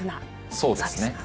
そうですね。